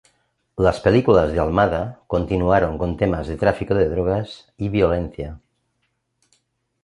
Las películas de Almada continuaron con temas de tráfico de drogas y violencia.